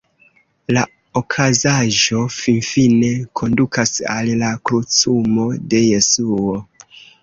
La okazaĵo finfine kondukas al la krucumo de Jesuo.